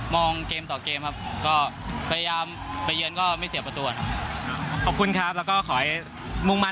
ไม่เคยคิดครับว่าจะทำประตูในชุดใหญ่ได้